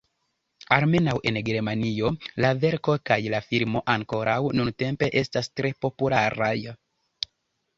Almenaŭ en Germanio la verko kaj la filmo ankoraŭ nuntempe estas tre popularaj.